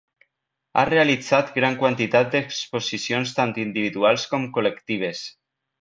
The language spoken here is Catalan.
Ha realitzat gran quantitat d'exposicions tant individuals com col·lectives.